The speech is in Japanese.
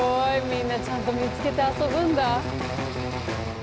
みんなちゃんと見つけて遊ぶんだ。